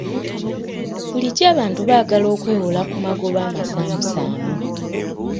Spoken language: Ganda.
Bulijjo abantu baagala okwewola ku magoba amasaamusaamu.